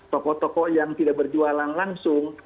toko toko yang tidak berjualan langsung